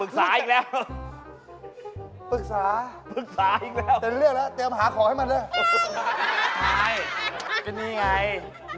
รู้ว่าพี่ไอ้กูเหี้ยวน